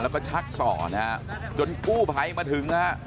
แล้วก็ชักต่อนะฮะจนกู้ภัยมาถึงนะฮะ